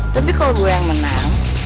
tapi kalau gue yang menang